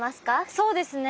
そうですね